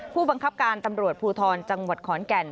ผู้บังคับการตำรวจภูทรจังหวัดขอนแก่น